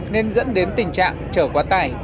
nên dẫn đến tình trạng trở qua tải